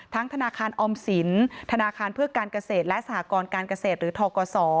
ธนาคารออมสินธนาคารเพื่อการเกษตรและสหกรการเกษตรหรือทกศ